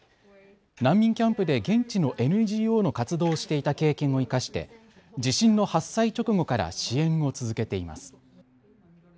難民キャンプで現地のＮＧＯの活動をしていた経験を生かして地震の発災直後から支援を続けています。